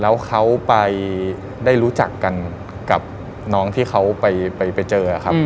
แล้วเขาไปได้รู้จักกันกับน้องที่เขาไปเจอครับ